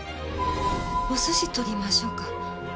お寿司取りましょうか？